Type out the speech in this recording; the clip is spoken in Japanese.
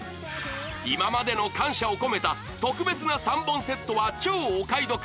今までの感謝を込めた特別な３本セットは超お買い得！